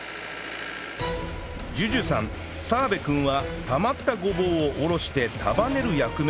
ＪＵＪＵ さん澤部くんはたまったごぼうを下ろして束ねる役目のはずが